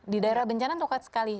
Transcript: di daerah bencana itu kuat sekali